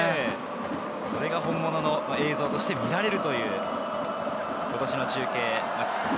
それが本物の映像として見られるという今年の中継です。